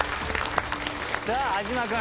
さあ安嶋君。